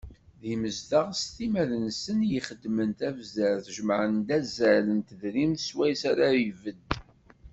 D imezdaɣ s timmad-nsen i ixeddmen tabzert, jemmɛen-d azal n tedrimt swayes ara ibedd.